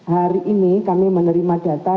hari ini kami menerima data